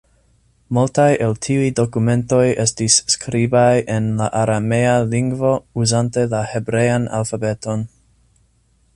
Multaj el tiuj dokumentoj estis skribaj en la aramea lingvo uzante la hebrean alfabeton.